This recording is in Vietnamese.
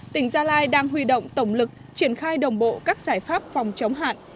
tỉnh gia lai đang huy động tổng lực triển khai đồng bộ các giải pháp phòng chống hạn